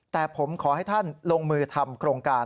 แต่ผมขอให้ท่านลงมือทำโครงการ